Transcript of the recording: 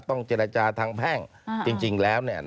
เจรจาทางแพ่งจริงแล้วเนี่ย